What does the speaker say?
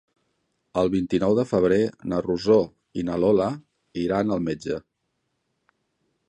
El vint-i-nou de febrer na Rosó i na Lola iran al metge.